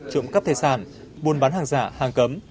trộm cắp tài sản buôn bán hàng giả hàng cấm